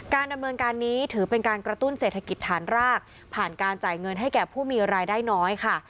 ดำเนินการนี้ถือเป็นการกระตุ้นเศรษฐกิจฐานรากผ่านการจ่ายเงินให้แก่ผู้มีรายได้น้อยค่ะ